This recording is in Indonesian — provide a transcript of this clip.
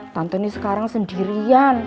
tante ini sekarang sendirian